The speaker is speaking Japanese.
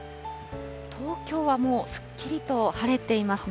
東京はもうすっきりと晴れていますね。